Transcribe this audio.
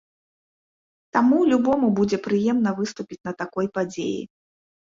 Таму любому будзе прыемна выступіць на такой падзеі.